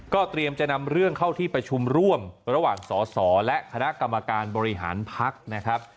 เตรียมจะนำเรื่องเข้าที่ประชุมร่วมระหว่างสอสอและคณะกรรมการบริหารพักนะครับ